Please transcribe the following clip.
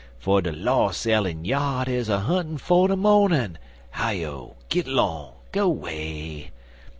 For de los' ell en yard is a huntin' for de mornin' (Hi O! git 'long! go 'way!)